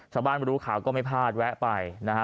ชาวบ้านบริวขาวก็ไม่พลาดแวะไปนะฮะ